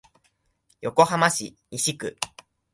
横浜市西区